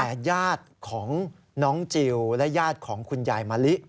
แต่ญาติของน้องจิลและญาติของคุณยายมะลิ